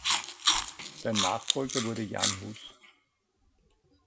Sein Nachfolger wurde Jan Hus.